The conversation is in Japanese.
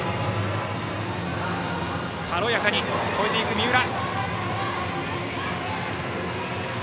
軽やかに越えていく三浦。